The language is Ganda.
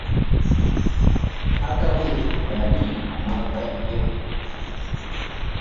Taata we yali amwagala nnyo.